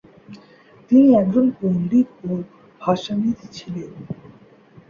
তিনি একজন পণ্ডিত ও ভাষাবিদ ছিলেন।